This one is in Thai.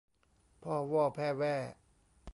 พ่อว่อแพ่แว่